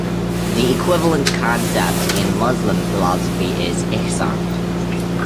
The equivalent concept in Muslim philosophy is "ihsan".